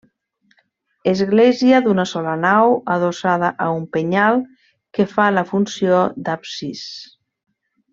Església d'una sola nau, adossada a un penyal que fa la funció d'absis.